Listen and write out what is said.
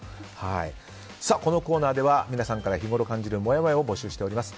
このコーナーでは皆さんから日ごろ感じるもやもやを募集しています。